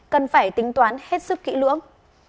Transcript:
cần phải tính toán hết sức kỹ lưỡng